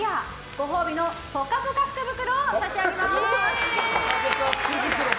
ご褒美のぽかぽか福袋を差し上げます。